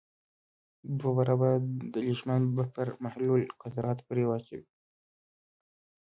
دوه برابره د لیشمان بفر محلول قطرات پرې واچوئ.